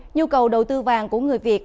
nhu cầu đầu tư vàng của người việt